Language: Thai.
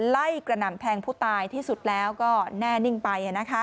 กระหน่ำแทงผู้ตายที่สุดแล้วก็แน่นิ่งไป